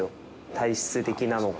体質的なのか。